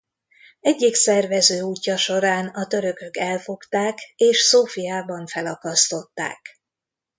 Egyik szervező útja során a törökök elfogták és Szófiában felakasztották.